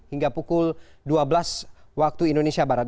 hingga pukul dua belas waktu indonesia barat